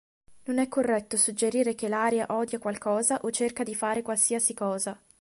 Non è corretto suggerire che l'aria "odia" qualcosa o "cerca" di fare qualsiasi cosa.